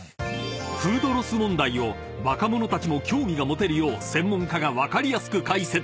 ［フードロス問題を若者たちも興味が持てるよう専門家が分かりやすく解説］